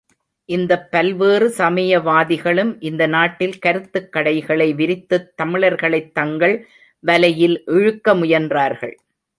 இந்தப் பல்வேறு சமயவாதிகளும் இந்த நாட்டில் கருத்துக் கடைகளை விரித்துத் தமிழர்களைத் தங்கள் வலையில் இழுக்க முயன்றார்கள்.